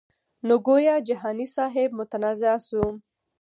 نو ګویا جهاني صاحب متنازعه شو.